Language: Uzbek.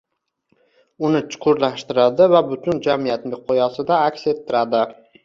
uni chuqurlashtiradi va butun jamiyat miqyosida aks ettiradi.